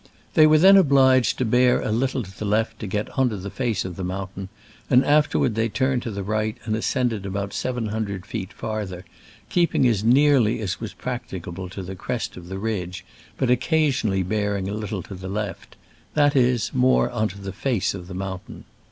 They were then obliged to bear a little to the left to get on to the face of the moun tain, and afterward they turned to the right and ascended about seven hun dred feet farther, keeping as nearly as was practicable to the crest of the ridge, but occasionally bearing a little to the left ; that is, more on to the face of the mountain.